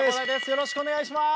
よろしくお願いします！